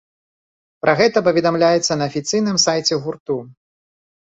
Пра гэта паведамляецца на афіцыйным сайце гурту.